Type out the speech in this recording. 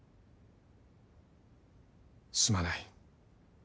すまない。